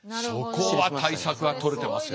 そこは対策は取れてますよ。